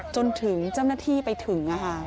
จนถึงเจ้าหน้าที่ไปถึง